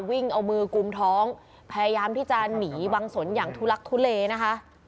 วิ่งเอามือกุมท้องพยายามที่จะหนีบางสนอย่างทุลักทุเลนะคะ